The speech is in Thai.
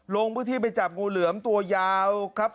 ลงพื้นที่ไปจับงูเหลือมตัวยาวครับ